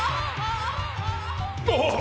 あっ！